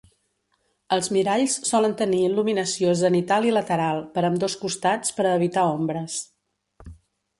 Els miralls solen tenir il·luminació zenital i lateral, per ambdós costats, per a evitar ombres.